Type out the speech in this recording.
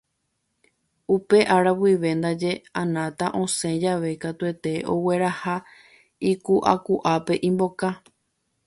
Upe ára guive ndaje Anata osẽ jave katuete ogueraha iku'akuápe imboka